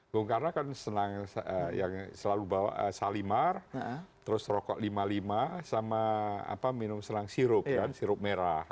bung karno kan selalu bawa salimar terus rokok lima lima sama minum selang sirup sirup merah